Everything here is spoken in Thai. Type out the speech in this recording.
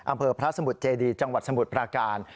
อำเภอพระสมุทรเจดีจังหวัดสมุทรปราการ